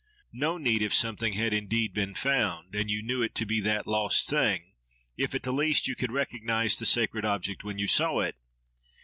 —No need, if something had indeed been found, and you knew it to be that lost thing: if, at the least, you could recognise the sacred object when you saw it.